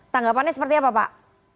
tanggapannya seperti apa pak